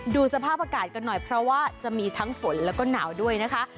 สภาพอากาศกันหน่อยเพราะว่าจะมีทั้งฝนแล้วก็หนาวด้วยนะคะ